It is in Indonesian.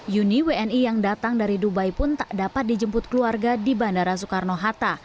yuni wni yang datang dari dubai pun tak dapat dijemput keluarga di bandara soekarno hatta